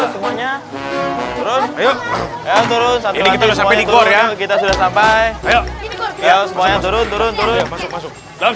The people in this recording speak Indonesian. masuk dalam masuk dalam